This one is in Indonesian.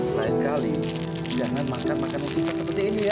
lain kali jangan makan makanan pisang seperti ini ya